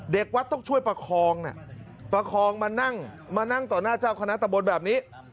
เด็กวัดต้องช่วยประคองประคองมานั่งมานั่งต่อหน้าเจ้าคณะตะบนแบบนี้